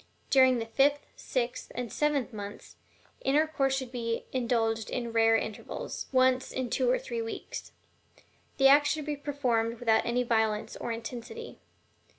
During the fifth, sixth, and seventh months, intercourse should be indulged in at rarer intervals once in two or three weeks the act should be performed without any violence or intensity.